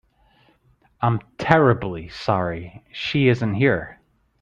I'm terribly sorry she isn't here.